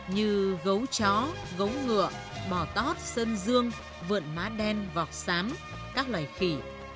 như gấu chó gấu ngựa bò tót sơn dương vượn má đen vọc xám các loài khỉ